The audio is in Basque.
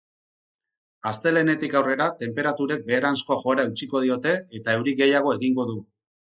Astelehenetik aurrera tenperaturek beheranzko joerari eutsiko diote, eta euri gehiago egingo du.